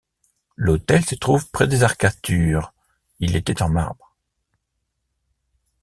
L’autel se trouve près des arcatures, il était en marbre.